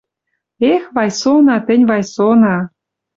Эх, Вайсона! Тӹнь, Вайсона!